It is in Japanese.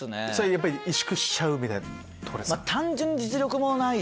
やっぱり萎縮しちゃうみたいなとこですか？